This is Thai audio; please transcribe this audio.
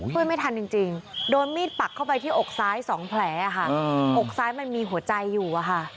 ช่วยไม่ทันจริงโดนมีดปักเข้าไปที่อกซ้าย๒แผลค่ะอกซ้ายมันมีหัวใจอยู่อะค่ะ